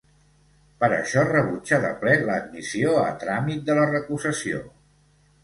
Per això rebutja de ple l’admissió a tràmit de la recusació.